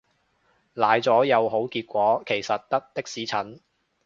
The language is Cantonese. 奶咗有好結果其實得的士陳